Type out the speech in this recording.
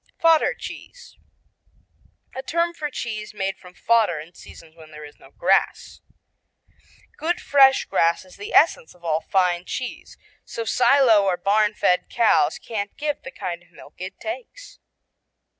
Fodder cheese A term for cheese made from fodder in seasons when there is no grass. Good fresh grass is the essence of all fine cheese, so silo or barn fed cows can't give the kind of milk it takes.